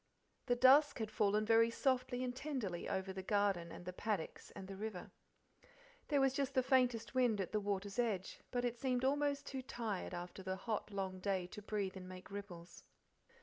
The dusk had fallen very softly and tenderly over the garden, and the paddocks, and the river. There was just the faintest wind at the waters edge, but it seemed almost too tired after the hot, long day to breathe and make ripples.